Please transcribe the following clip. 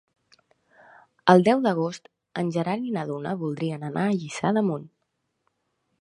El deu d'agost en Gerard i na Duna voldrien anar a Lliçà d'Amunt.